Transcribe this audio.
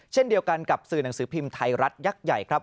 เช่นเดียวกันกับสื่อหนังสือพิมพ์ไทยรัฐยักษ์ใหญ่ครับ